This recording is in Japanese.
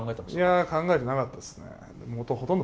いや考えてなかったですね。